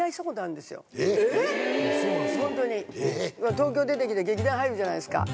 東京出てきて劇団入るじゃないですか。